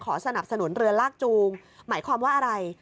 สนับสนุนเรือลากจูงหมายความว่าอะไร